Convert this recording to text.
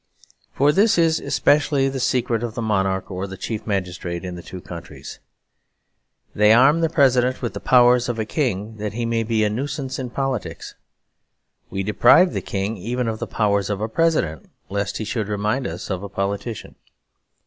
For this is especially the secret of the monarch or chief magistrate in the two countries. They arm the President with the powers of a King, that he may be a nuisance in politics. We deprive the King even of the powers of a President, lest he should remind us of a politician.